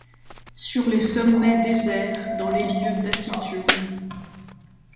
Sur les sommets déserts, dans les lieux taciturnes